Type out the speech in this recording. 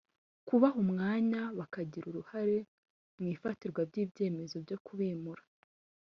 kubaha umwanya bakagira uruhare mu ifatwa ry’ibyemezo byo kubimura